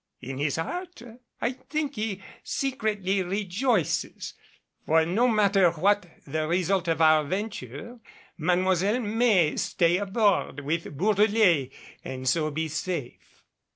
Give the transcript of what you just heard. In his heart I think he secretly rejoices. For no matter what the result of our venture, Mademoiselle may stay aboard with Bourdelais, and so be safe."